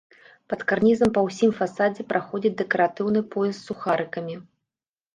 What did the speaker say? Пад карнізам па ўсім фасадзе праходзіць дэкаратыўны пояс з сухарыкамі.